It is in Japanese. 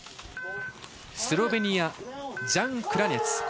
スロベニアジャン・クラニェツ。